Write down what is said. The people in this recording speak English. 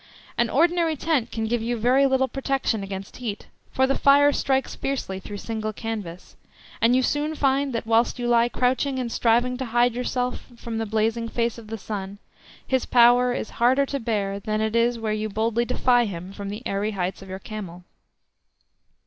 An ordinary tent can give you very little protection against heat, for the fire strikes fiercely through single canvas, and you soon find that whilst you lie crouching and striving to hide yourself from the blazing face of the sun, his power is harder to bear than it is where you boldly defy him from the airy heights of your camel.